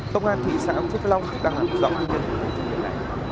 công an thị xã úc thiết lông đang hẳn dọc bệnh viện